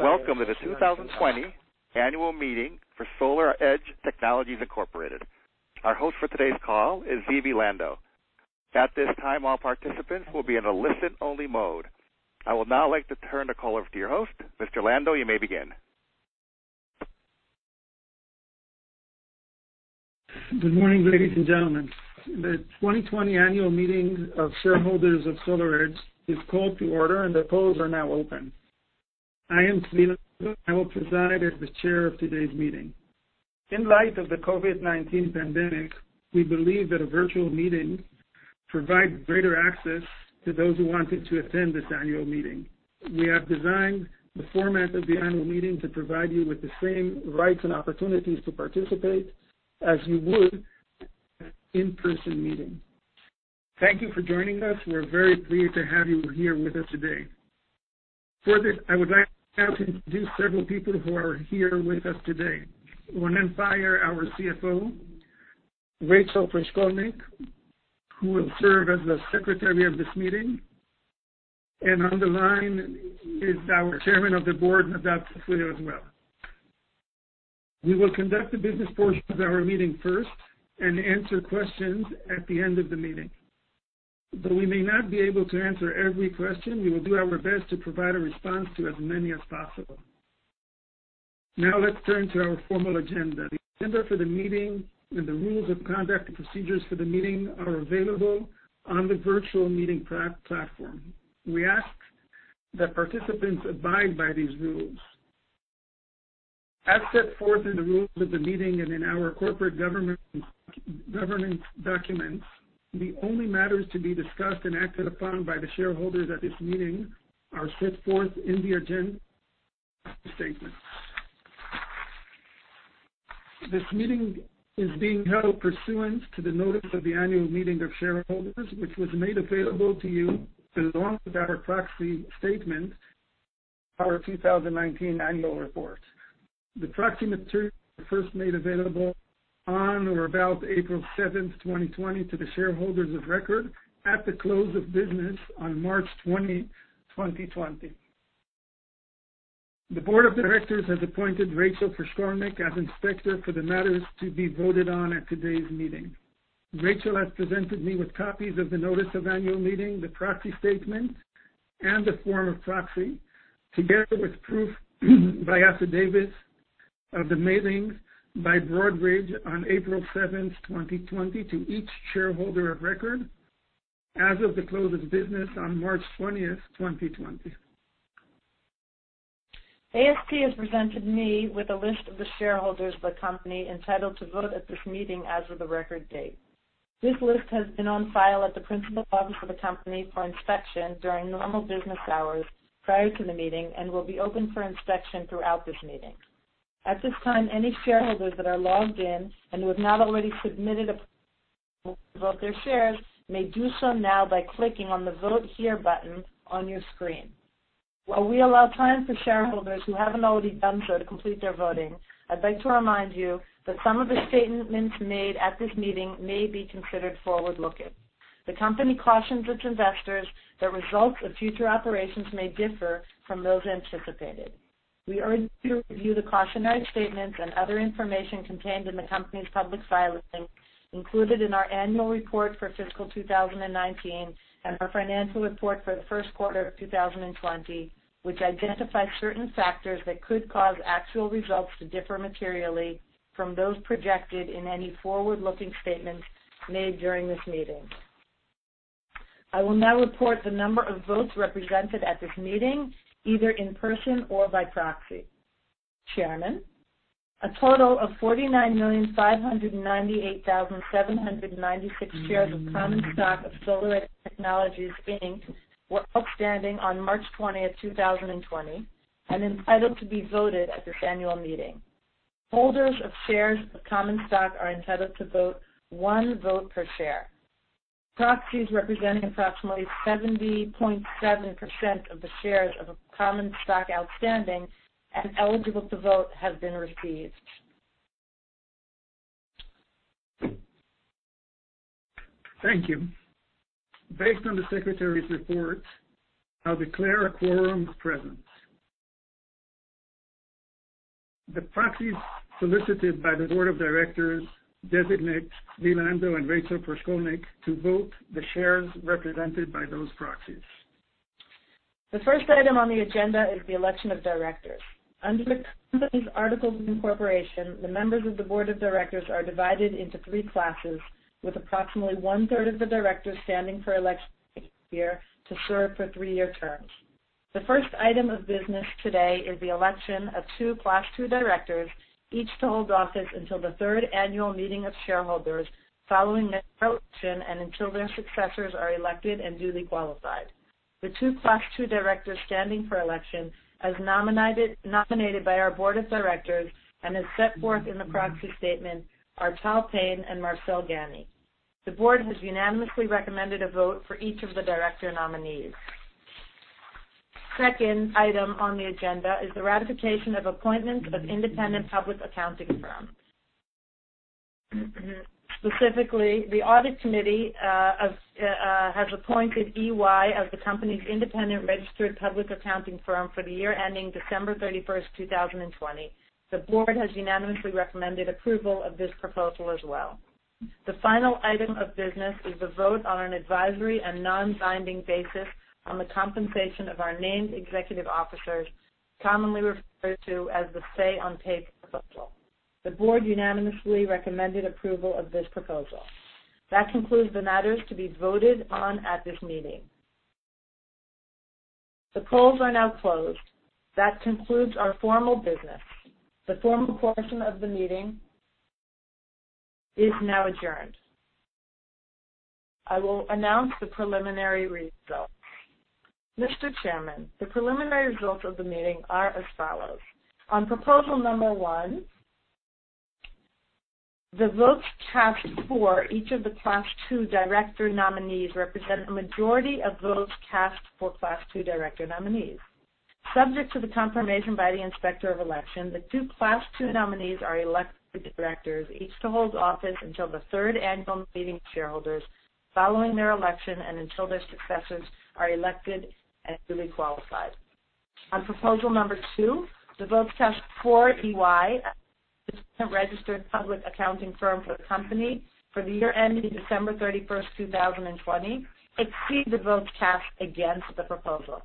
Welcome to the 2020 annual meeting for SolarEdge Technologies, Inc. Our host for today's call is Zvi Lando. At this time, all participants will be in a listen-only mode. I would now like to turn the call over to your host. Mr. Lando, you may begin. Good morning, ladies and gentlemen. The 2020 annual meeting of shareholders of SolarEdge is called to order, and the polls are now open. I am Zvi Lando. I will preside as the chair of today's meeting. In light of the COVID-19 pandemic, we believe that a virtual meeting provides greater access to those who wanted to attend this annual meeting. We have designed the format of the annual meeting to provide you with the same rights and opportunities to participate as you would at an in-person meeting. Thank you for joining us. We're very pleased to have you here with us today. For this, I would like to introduce several people who are here with us today. Ronen Faier, our CFO, Rachel Prishkolnik, who will serve as the secretary of this meeting, and on the line is our Chairman of the Board, Nadav Zafrir, as well. We will conduct the business portion of our meeting first and answer questions at the end of the meeting. Though we may not be able to answer every question, we will do our best to provide a response to as many as possible. Let's turn to our formal agenda. The agenda for the meeting and the rules of conduct and procedures for the meeting are available on the virtual meeting platform. We ask that participants abide by these rules. As set forth in the rules of the meeting and in our corporate governance documents, the only matters to be discussed and acted upon by the shareholders at this meeting are set forth in the agenda statement. This meeting is being held pursuant to the notice of the annual meeting of shareholders, which was made available to you along with our proxy statement, our 2019 annual report. The proxy material was first made available on or about April 7, 2020, to the shareholders of record at the close of business on March 20, 2020. The board of directors has appointed Rachel Prishkolnik as inspector for the matters to be voted on at today's meeting. Rachel has presented me with copies of the notice of annual meeting, the proxy statement, and the Form of proxy, together with proof by affidavit of the mailings by Broadridge on April 7, 2020, to each shareholder of record as of the close of business on March 20, 2020. AST has presented me with a list of the shareholders of the company entitled to vote at this meeting as of the record date. This list has been on file at the principal office of the company for inspection during normal business hours prior to the meeting and will be open for inspection throughout this meeting. At this time, any shareholders that are logged in and who have not already submitted a vote their shares, may do so now by clicking on the Vote Here button on your screen. While we allow time for shareholders who haven't already done so to complete their voting, I'd like to remind you that some of the statements made at this meeting may be considered forward-looking. The company cautions its investors that results of future operations may differ from those anticipated. We urge you to review the cautionary statements and other information contained in the company's public filings, included in our annual report for fiscal 2019 and our financial report for the first quarter of 2020, which identify certain factors that could cause actual results to differ materially from those projected in any forward-looking statements made during this meeting. I will now report the number of votes represented at this meeting, either in person or by proxy. Chairman, a total of 49,598,796 shares of common stock of SolarEdge Technologies, Inc., were outstanding on March 20th, 2020, and entitled to be voted at this annual meeting. Holders of shares of common stock are entitled to vote one vote per share. Proxies representing approximately 70.7% of the shares of common stock outstanding and eligible to vote have been received. Thank you. Based on the secretary's report, I'll declare a quorum present. The proxies solicited by the board of directors designate Zvi Lando and Rachel Prishkolnik to vote the shares represented by those proxies. The first item on the agenda is the election of directors. Under the company's articles of incorporation, the members of the board of directors are divided into three classes, with approximately one-third of the directors standing for election each year to serve for three-year terms. The first item of business today is the election of two Class II directors, each to hold office until the third annual meeting of shareholders following their election and until their successors are elected and duly qualified. The two Class II directors standing for election, as nominated by our board of directors and as set forth in the proxy statement, are Tal Payne and Marcel Gani. The board has unanimously recommended a vote for each of the director nominees. Second item on the agenda is the ratification of appointment of independent public accounting firm. Specifically, the audit committee has appointed EY as the company's independent registered public accounting firm for the year ending December 31st, 2020. The board has unanimously recommended approval of this proposal as well. The final item of business is a vote on an advisory and non-binding basis on the compensation of our named executive officers, commonly referred to as the Say-on-Pay proposal. The board unanimously recommended approval of this proposal. That concludes the matters to be voted on at this meeting. The polls are now closed. That concludes our formal business. The formal portion of the meeting is now adjourned. I will announce the preliminary results. Mr. Chairman, the preliminary results of the meeting are as follows. On proposal number 1, the votes cast for each of the class 2 director nominees represent a majority of votes cast for class 2 director nominees. Subject to the confirmation by the Inspector of Election, the 2 class 2 nominees are elected directors, each to hold office until the third annual meeting of shareholders following their election and until their successors are elected and duly qualified. On proposal number 2, the votes cast for EY as the independent registered public accounting firm for the company for the year ending December 31, 2020, exceed the votes cast against the proposal.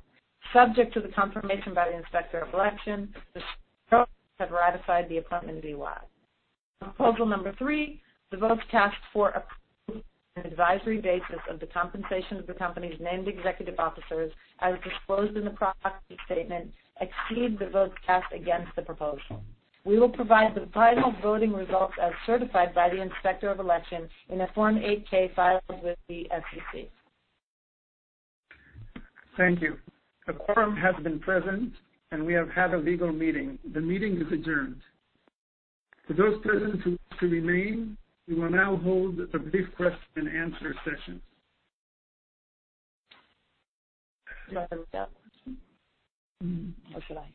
Subject to the confirmation by the Inspector of Election, the shareholders have ratified the appointment of EY. Proposal number 3, the votes cast for approval on an advisory basis of the compensation of the company's named executive officers, as disclosed in the proxy statement, exceed the votes cast against the proposal. We will provide the final voting results as certified by the Inspector of Election in a Form 8-K filed with the SEC. Thank you. A quorum has been present, and we have had a legal meeting. The meeting is adjourned. For those present who wish to remain, we will now hold a brief question and answer session. Do you want to read that question? Or should I?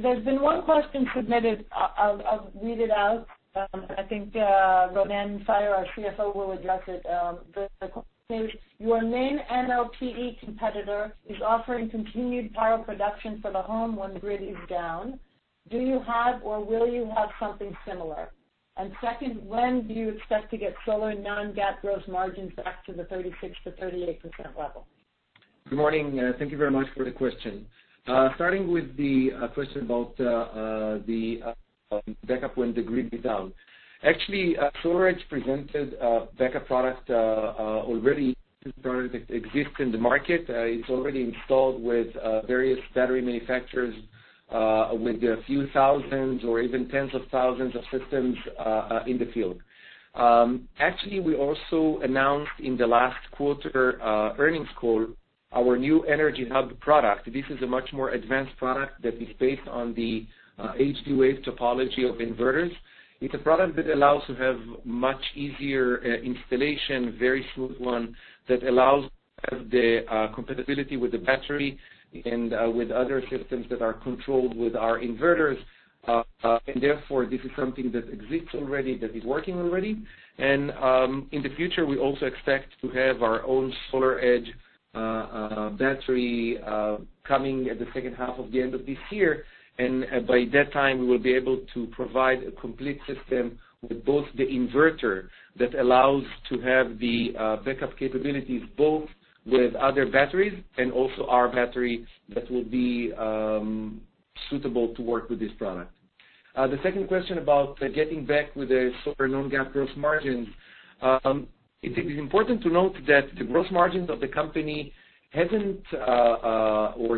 There's been one question submitted. I'll read it out. I think Ronen Faier, our CFO, will address it. The question is, "Your main MLPE competitor is offering continued power production for the home when the grid is down. Do you have or will you have something similar? Second, when do you expect to get SolarEdge non-GAAP gross margins back to the 36%-38% level? Good morning. Thank you very much for the question. Starting with the question about the backup when the grid is down. Actually, SolarEdge presented a backup product already that exists in the market. It's already installed with various battery manufacturers, with a few thousands or even tens of thousands of systems in the field. Actually, we also announced in the last quarter earnings call our new Energy Hub product. This is a much more advanced product that is based on the HD-Wave topology of inverters. It's a product that allows to have much easier installation, very smooth one, that allows the compatibility with the battery and with other systems that are controlled with our inverters. Therefore, this is something that exists already, that is working already. In the future, we also expect to have our own SolarEdge battery coming at the second half of the end of this year. By that time, we will be able to provide a complete system with both the inverter that allows to have the backup capabilities, both with other batteries and also our battery that will be suitable to work with this product. The second question about getting back with the solar non-GAAP gross margins. It is important to note that the gross margins of the company or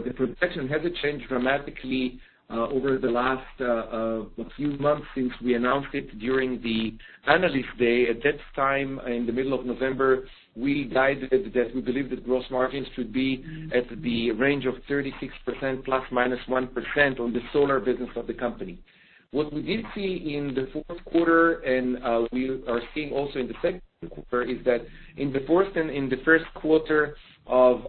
the projection hasn't changed dramatically over the last few months since we announced it during the Analyst Day. At that time, in the middle of November, we guided that we believe that gross margins should be at the range of 36% plus or minus 1% on the solar business of the company. What we did see in the fourth quarter, and we are seeing also in the second quarter, is that in the fourth and in the first quarter of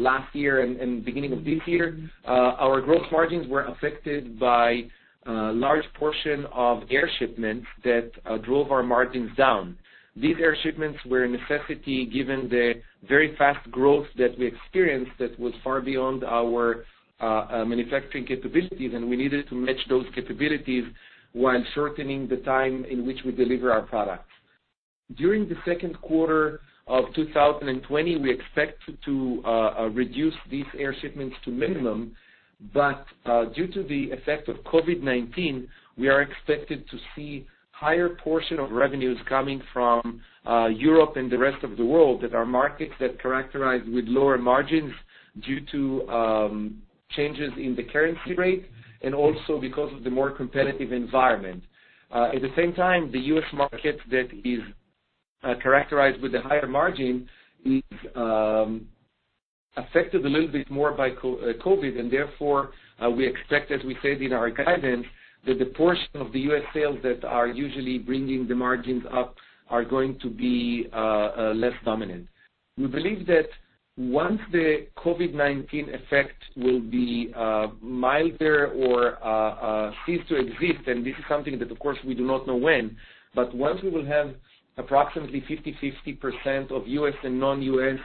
last year and beginning of this year, our gross margins were affected by a large portion of air shipments that drove our margins down. These air shipments were a necessity given the very fast growth that we experienced that was far beyond our manufacturing capabilities, and we needed to match those capabilities while shortening the time in which we deliver our products. During the second quarter of 2020, we expect to reduce these air shipments to minimum, but due to the effect of COVID-19, we are expected to see higher portion of revenues coming from Europe and the rest of the world that are markets that characterize with lower margins due to changes in the currency rate and also because of the more competitive environment. At the same time, the U.S. market that is characterized with a higher margin is affected a little bit more by COVID, and therefore, we expect, as we said in our guidance, that the portion of the U.S. sales that are usually bringing the margins up are going to be less dominant. We believe that once the COVID-19 effect will be milder or cease to exist, and this is something that, of course, we do not know when, but once we will have approximately 50/50% of U.S. and non-U.S.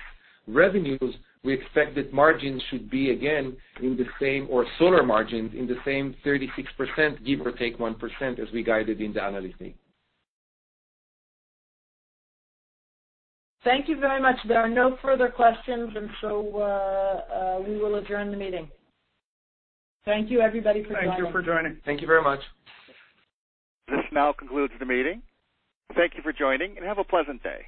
revenues, we expect that margins should be again in the same, or solar margins, in the same 36%, give or take 1%, as we guided in the Analyst Day. Thank you very much. There are no further questions. We will adjourn the meeting. Thank you, everybody, for joining. Thank you for joining. Thank you very much. This now concludes the meeting. Thank you for joining, and have a pleasant day.